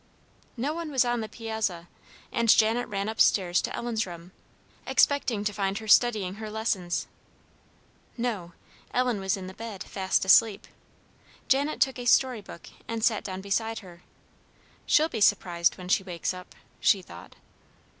No one was on the piazza, and Janet ran up stairs to Ellen's room, expecting to find her studying her lessons. No; Ellen was in the bed, fast asleep. Janet took a story book, and sat down beside her. "She'll be surprised when she wakes up," she thought.